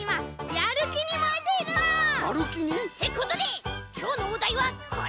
やるきに？ってことできょうのおだいはこれ！